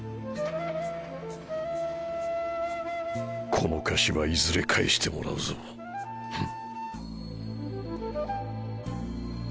この貸しはいずれ返してもらうぞフン。